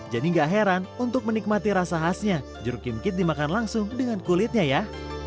gak heran untuk menikmati rasa khasnya jeruk kimkit dimakan langsung dengan kulitnya ya